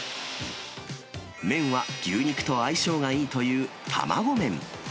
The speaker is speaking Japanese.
麺は牛肉と相性がいいというたまご麺。